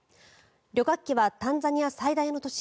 旅客機は、タンザニア最大の都市